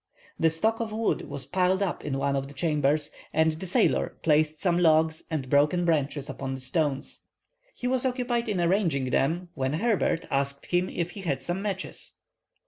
The stock of wood was piled up in one of the chambers, and the sailor placed some logs and broken branches upon the stones. He was occupied in arranging them when Herbert asked him if he had some matches.